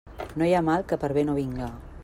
No hi ha mal que per bé no vinga.